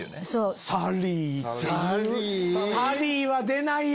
サリーは出ないよ！